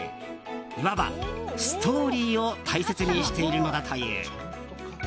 いわばストーリーを大切にしているのだという。